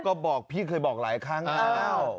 ก็บอกพี่เคยบอกหลายครั้งแล้ว